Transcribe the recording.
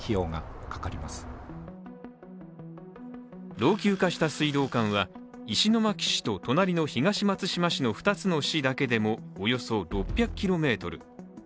老朽化した水道管は、石巻市と隣の東松島市の２つの市だけでも、およそ６００ｋｍ。